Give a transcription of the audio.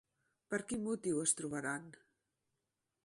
Per quin motiu es trobaran?